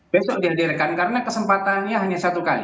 besok dihadirkan karena kesempatannya hanya satu kali